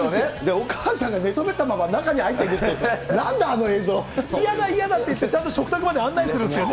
お母さんが寝そべったまま中に入っていくって、なんだ、嫌だ、嫌だって言って、ちゃんと食卓まで案内するんですよね。